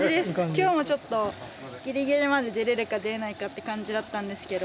今日もちょっとぎりぎりまで出れるか出れないかって感じだったんですけど。